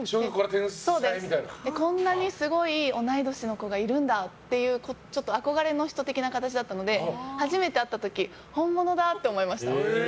こんなにすごい同い年の子がいるんだっていう憧れの人的な形だったので初めて会った時本物だ！って思いました。